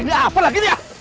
ini apalah gini ah